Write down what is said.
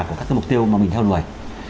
của các cái mục tiêu mà mình theo đuổi